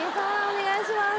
お願いします